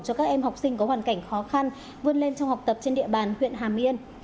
cho các em học sinh có hoàn cảnh khó khăn vươn lên trong học tập trên địa bàn huyện hàm yên